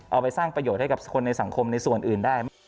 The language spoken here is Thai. เอาไปสร้างประโยชน์ให้กับคนในสังคมในส่วนอื่นได้